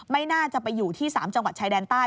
ไม่น่าจะไปอยู่ที่๓จังหวัดชายแดนใต้